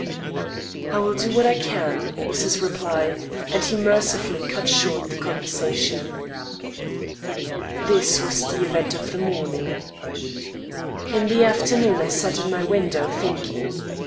"I will do what I can," was his reply, and he mercifully cut short the conversation. This was the event of the morning. In the afternoon I sat in my window thinking.